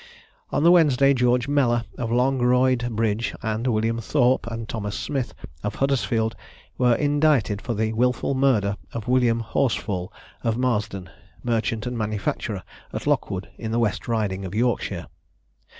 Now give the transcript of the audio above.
On the Wednesday, George Mellor, of Longroyd Bridge, and William Thorp and Thomas Smith, of Huddersfield, were indicted for the wilful murder of William Horsfall, of Marsden, merchant and manufacturer, at Lockwood, in the West Riding of Yorkshire.